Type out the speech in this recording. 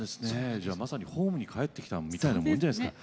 じゃまさにホームに帰ってきたみたいなもんじゃないですか。